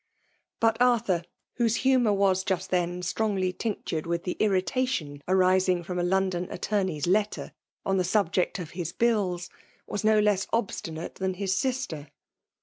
But Arthur, whose humour was just then strongly tinctured with tlj^e irritation arising from a Xiondon attorney's letter xm the sulgect of his bills, was no less obstinate than hi« sister.